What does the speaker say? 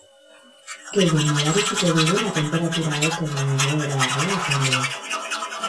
Gehien nabarituko duguna tenperatura hotzenen igoera argia izango da.